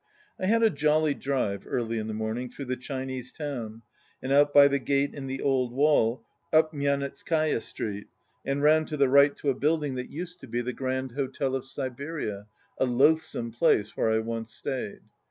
I had a jolly drive, early in the morning, through the Chinese Town, and out by the gate in the old wall, up Myasnitzkaya Street, and round to the right to a building that used to be 124 the Grand Hotel of Siberia, a loathsome place where I once stayed.